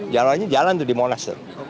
jalannya jalan tuh di monas